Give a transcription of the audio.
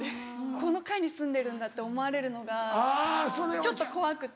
この階に住んでるんだって思われるのがちょっと怖くて。